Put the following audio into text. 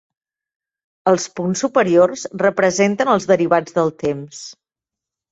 Els punts superiors representen els derivats del temps.